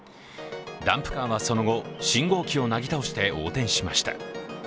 ダンプカーはその後、信号機をなぎ倒して横転しました。